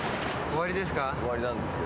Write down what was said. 終わりですか？